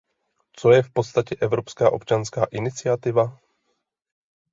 Co je v podstatě evropská občanská iniciativa?